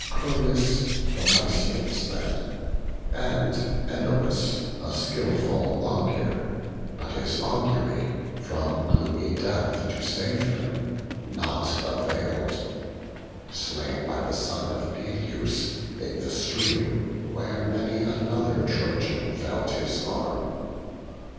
Chromis the Mysians led, and Ennomus; A skilful augur, but his augury From gloomy death to save him nought avail'd; Slain by the son of Peleus, in the stream, Where many another Trojan felt his arm.